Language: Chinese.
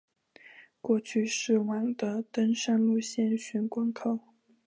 过去是往的登山路线玄关口。